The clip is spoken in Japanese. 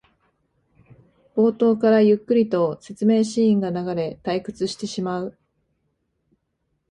冒頭からゆっくりと説明シーンが流れ退屈してしまう